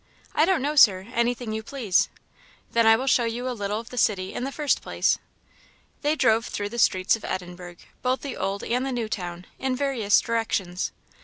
"I don't know, Sir; anything you please." "Then I will show you a little of the city in the first place." They drove through the streets of Edinburgh, both the Old and the New Town, in various directions.